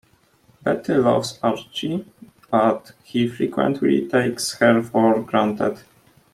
Betty loves Archie, but he frequently takes her for granted.